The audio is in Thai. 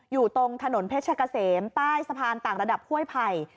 อยู่ตรงถนนเพชรกะเสมใต้สะพานต่างระดับห้วยไผ่